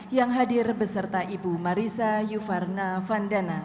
yang hadir beserta ibu marissa yuvarna vandana